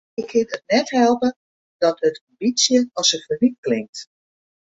Ik kin it net helpe dat it in bytsje as in ferwyt klinkt.